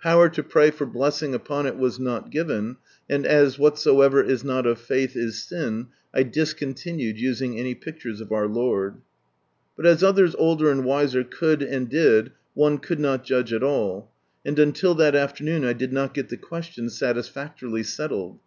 Power to pray for blessing upon it was not given, and as " whatsoever is not of faith is sin," 1 discontinued using any pictures of our Lord. But as others older and wiser could, and did, one could not judge at all ; and until that afternoon, 1 did not get the question satisfactorily settled.